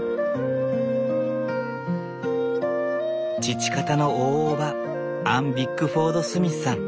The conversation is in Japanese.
父方の大叔母アン・ビックフォード・スミスさん。